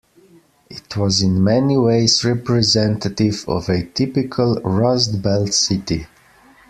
It was in many ways representative of a typical Rust Belt city.